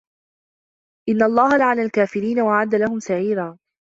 إِنَّ اللَّهَ لَعَنَ الْكَافِرِينَ وَأَعَدَّ لَهُمْ سَعِيرًا